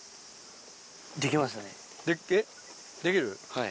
はい。